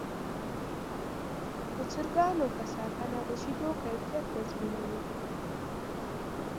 د چرګانو ښه ساتنه د شیدو کیفیت تضمینوي.